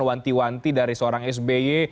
wanti wanti dari seorang sby